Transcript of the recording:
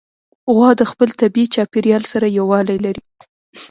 غوا د خپل طبیعي چاپېریال سره یووالی لري.